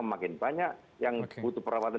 makin banyak yang butuh perawatan